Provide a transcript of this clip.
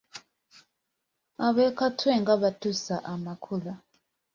Ab’e Katwe nga batuusa amakula.